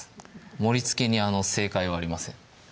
盛りつけに正解はありません